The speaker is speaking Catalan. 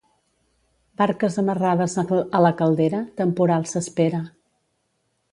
Barques amarrades a la Caldera, temporal s'espera.